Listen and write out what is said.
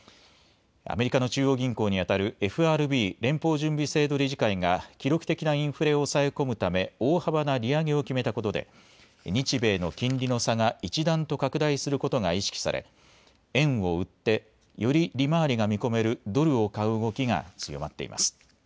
アメリカの中央銀行にあたるＦＲＢ・連邦準備制度理事会が記録的なインフレを抑え込むため大幅な利上げを決めたことで日米の金利の差が一段と拡大することが意識され円を売ってより利回りが見込めるドルを買う動きが強まっています。